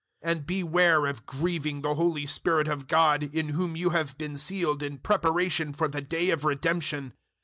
004:030 And beware of grieving the Holy Spirit of God, in whom you have been sealed in preparation for the day of Redemption.